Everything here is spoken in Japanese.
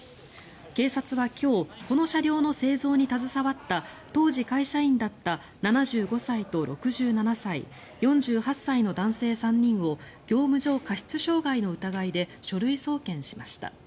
警察は今日この車両の製造に携わった当時会社員だった７５歳と６７歳４８歳の男性３人を業務上過失傷害の疑いで書類送検しました。